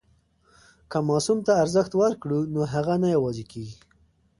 که ماسوم ته ارزښت ورکړو نو هغه نه یوازې کېږي.